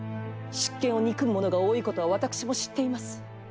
執権を憎む者が多いことは私も知っています。